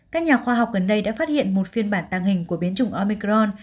các nhà khoa học gần đây đã phát hiện một phiên bản tàng hình của biến chủng omicron